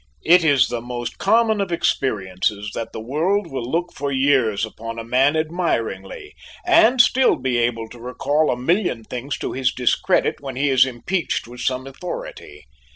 It is the most common of experiences that the world will look for years upon a man admiringly and still be able to recall a million things to his discredit when he is impeached with some authority.